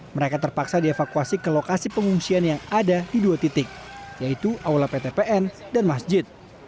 mereka terpaksa dievakuasi ke lokasi pengungsian yang ada di dua titik yaitu aula ptpn dan masjid